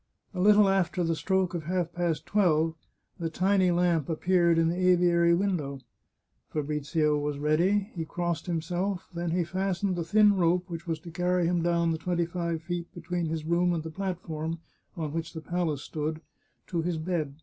A little after the stroke of half past twelve the tiny lamp appeared in the aviary window. Fabrizio was ready; he crossed himself, then he fastened the thin rope which was to carry him down the twenty five feet between his room and 406 The Chartreuse of Parma the platform on which the palace stood to his bed.